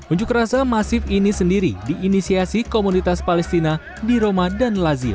unjuk rasa masif ini sendiri diinisiasi komunitas palestina di roma dan lazim